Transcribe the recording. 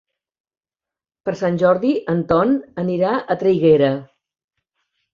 Per Sant Jordi en Ton anirà a Traiguera.